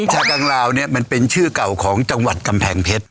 ชากังลาวเนี่ยมันเป็นชื่อเก่าของจังหวัดกำแพงเพชร